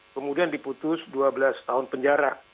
kemudian diputus dua belas tahun penjara